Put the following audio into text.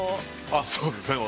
◆あっ、そうですね。